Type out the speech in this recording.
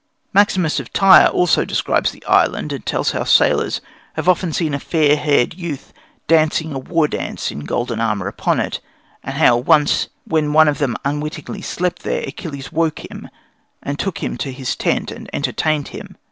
Maximus of Tyre also describes the island, and tells how sailors have often seen a fair haired youth dancing a war dance in golden armour upon it; and how once, when one of them unwittingly slept there, Achilles woke him, and took him to his tent and entertained him.